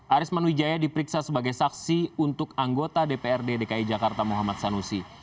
arisman wijaya diperiksa sebagai saksi untuk anggota dprd dki jakarta muhammad sanusi